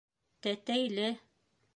Тәтәйле.